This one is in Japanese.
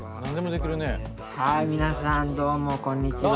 はい皆さんどうもこんにちは。